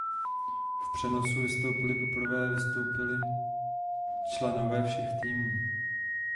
V přenosu vystoupily poprvé vystoupily členové všech týmů.